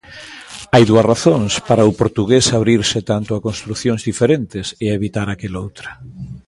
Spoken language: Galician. Hai dúas razóns para o portugués abrirse tanto a construcións diferentes e evitar aqueloutra.